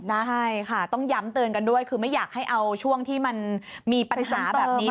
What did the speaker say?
ใช่ค่ะต้องย้ำเตือนกันด้วยคือไม่อยากให้เอาช่วงที่มันมีปัญหาแบบนี้